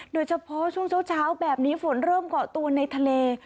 โดยเฉพาะช่วงเช้าแบบนี้ฝนเริ่มเกาะตัวในทะเล